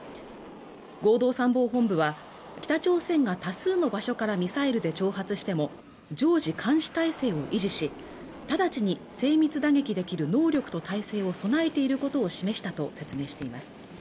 合同参謀本部は北朝鮮が多数の場所からミサイルで挑発しても常時監視体制を維持し直ちに精密打撃できる能力と体制を備えていることを示したと説明しています